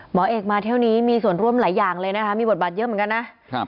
หมอเอกมาเที่ยวนี้มีส่วนร่วมหลายอย่างเลยนะคะมีบทบาทเยอะเหมือนกันนะครับ